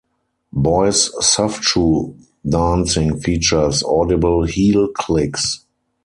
Boy's soft-shoe dancing features audible heel clicks.